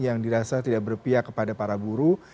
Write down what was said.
yang dirasa tidak berpihak kepada para buruh